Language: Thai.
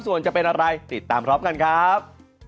ส่วนจะเป็นอะไรติดตามพร้อมกันครับ